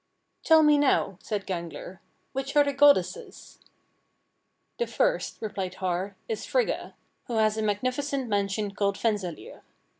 36. "Tell me now," said Gangler, "which are the goddesses?" "The first," replied Har, "is Frigga, who has a magnificent mansion called Fensalir.